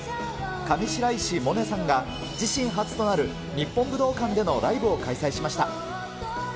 上白石萌音さんが、自身初となる日本武道館でのライブを開催しました。